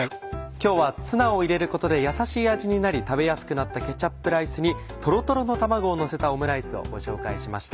今日はツナを入れることでやさしい味になり食べやすくなったケチャップライスにとろとろの卵をのせたオムライスをご紹介しました。